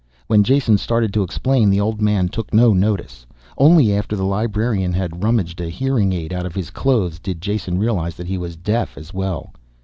When Jason started to explain the old man took no notice. Only after the librarian had rummaged a hearing aid out of his clothes, did Jason realize he was deaf as well.